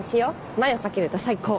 マヨかけると最高！